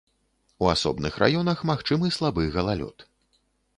У асобных раёнах магчымы слабы галалёд.